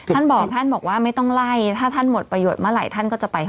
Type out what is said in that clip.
ท่านบอกว่าไม่ต้องไล่